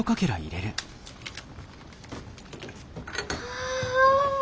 わあ！